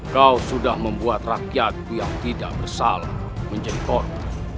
kau sudah membuat rakyatku yang tidak bersalah menjadi korban